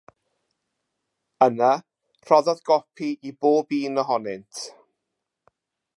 Yna, rhoddodd gopi i bob un ohonynt.